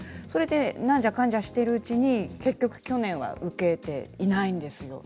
なんだかんだしているうちに結局、去年は受けていないんですよ。